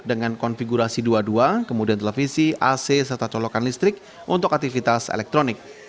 dengan konfigurasi dua dua kemudian televisi ac serta colokan listrik untuk aktivitas elektronik